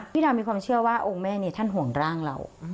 ดาวมีความเชื่อว่าองค์แม่นี้ท่านห่วงร่างเรา